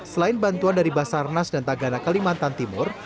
selain bantuan dari basarnas dan tagana kalimantan timur